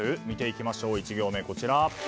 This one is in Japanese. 見ていきましょう、１行目。